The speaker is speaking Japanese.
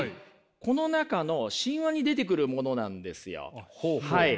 この中の神話に出てくるものなんですよ。